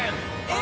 え！